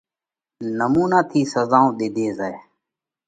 نمُونا ٿِي سزائون ۮِيڌي زائه۔